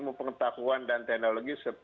jadi kita harus memiliki keas depan